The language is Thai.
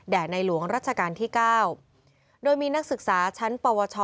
ในหลวงรัชกาลที่๙โดยมีนักศึกษาชั้นปวช